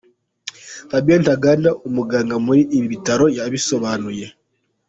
Fabien Ntaganda umuganga muri ibi bitaro yabisobanuye.